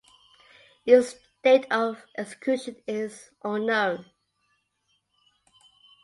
Its date of execution is unknown.